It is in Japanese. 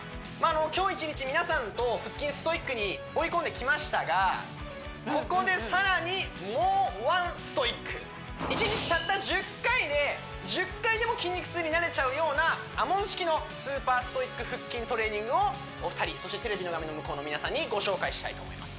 今日１日皆さんと腹筋ストイックに追い込んできましたが１日たった１０回で１０回でも筋肉痛になれちゃうようなＡＭＯＮ式のスーパーストイック腹筋トレーニングをお二人そしてテレビの画面の向こうの皆さんにご紹介したいと思います